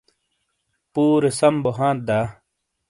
پُورے سَم بو ھانت دا؟